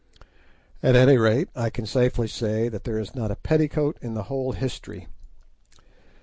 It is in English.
At any rate, I can safely say that there is not a petticoat in the whole history.